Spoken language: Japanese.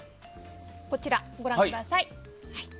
こちら、ご覧ください。